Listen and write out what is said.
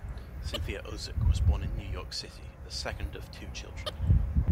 Cynthia Ozick was born in New York City, the second of two children.